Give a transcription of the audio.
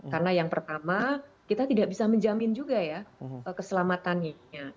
karena yang pertama kita tidak bisa menjamin juga ya keselamatannya